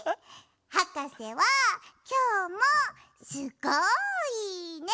はかせはきょうもすごいね！